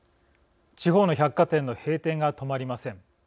地方の百貨店の閉店が止まりません。